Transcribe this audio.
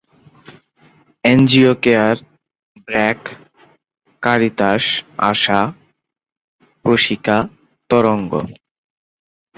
NGO CARE, BRAC, Caritas, ASA, Proshika, তরঙ্গ।